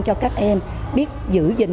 cho các em biết giữ gìn